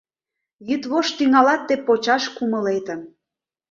Йÿдвошт тÿҥалат тый почаш кумылетым